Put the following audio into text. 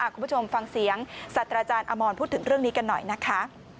คุณผู้ชมฟังเสียงสัตว์อาจารย์อมรพูดถึงเรื่องนี้กันหน่อยนะคะ